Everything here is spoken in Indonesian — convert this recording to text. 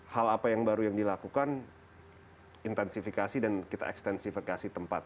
hal apa yang baru yang dilakukan intensifikasi dan kita ekstensifikasi tempat